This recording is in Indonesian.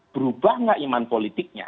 berubah nggak iman politiknya